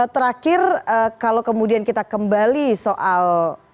terakhir kalau kemudian kita kembali soal